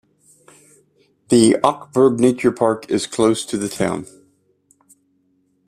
The Aukrug Nature Park is close to the town.